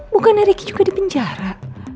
bukannya riki juga di penjara